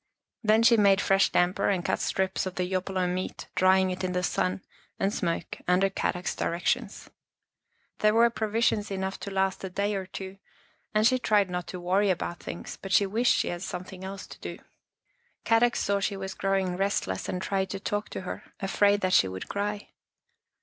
Then she made fresh damper and cut strips of the yopolo meat, drying it in the sun and smoke under Kadok's directions. There were provisions enough to last a day or two and she tried not to worry about things, but she wished she had something else to do. Kadok saw she was growing restless and tried to talk to her, afraid that she would cry.